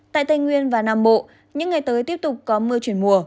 tại tây nguyên và nam bộ những ngày tới tiếp tục có mưa chuyển mùa